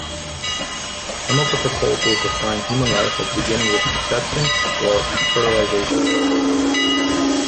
Some of the proposals define human life as beginning with conception or fertilization.